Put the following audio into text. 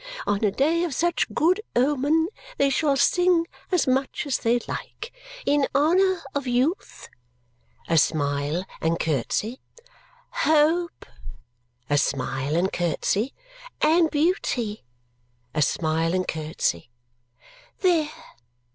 On a day of such good omen, they shall sing as much as they like. In honour of youth," a smile and curtsy, "hope," a smile and curtsy, "and beauty," a smile and curtsy. "There!